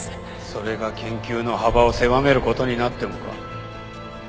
それが研究の幅を狭める事になってもか？